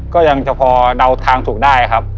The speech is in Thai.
ก็ยังจะพอเดาทางถูกได้ครับ